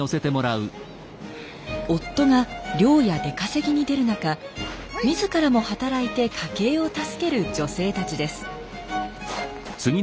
夫が漁や出稼ぎに出る中みずからも働いて家計を助ける女性たちです。